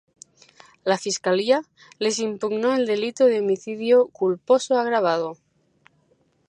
La Fiscalía les impugnó el delito de homicidio culposo agravado.